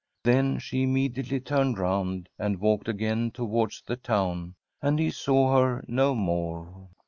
Then she immediately turned round and walked again towards the town, and he saw her no more.